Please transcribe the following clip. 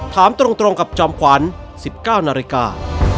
ถามตรงกับจอมขวัญ๑๙นาฬิกา